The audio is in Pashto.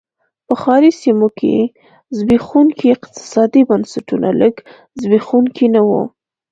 په ښاري سیمو کې زبېښونکي اقتصادي بنسټونه لږ زبېښونکي نه و.